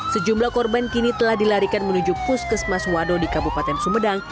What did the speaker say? sejumlah korban kini telah dilarikan menuju puskesmas wado di kabupaten sumedang